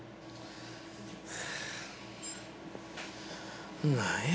はぁ何や？